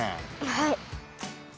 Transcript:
はい。